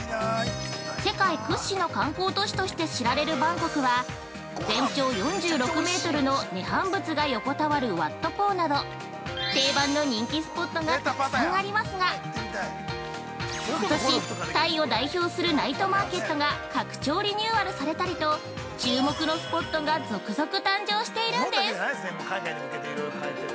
世界屈指の観光都市として知られるバンコクは全長４６メートルの涅槃仏が横たわるワット・ポーなど定番の人気スポットがたくさんありますがことしタイを代表するナイトマーケットが拡張リニューアルされたりと注目のスポットが続々誕生しているんです。